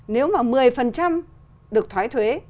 nếu mà một mươi được thoái thuế